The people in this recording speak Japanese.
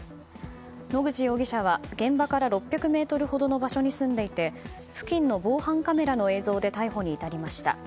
野口容疑者は現場から６００ｍほどの場所に住んでいて付近の防犯カメラの映像で逮捕に至りました。